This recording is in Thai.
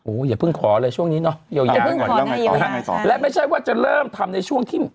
โอ้อย่าเพิ่งขอเลยช่วงนี้เนาะอย่าอย่าและไม่ใช่ว่าจะเริ่มทำในช่วงที่